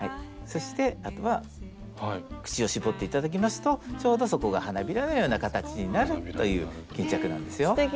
そしてあとは口を絞って頂きますとちょうどそこが花びらのような形になるという巾着なんですよ。